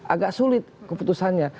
agak sulit keputusannya